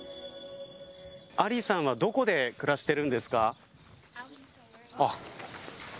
アリさんはどこで暮らしているんですか。